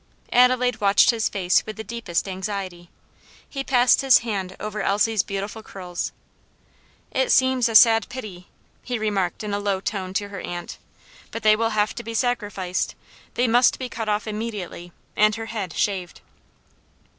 Adelaide watched his face with the deepest anxiety. He passed his hand over Elsie's beautiful curls. "It seems a sad pity," he remarked in a low tone to her aunt, "but they will have to be sacrificed; they must be cut off immediately, and her head shaved."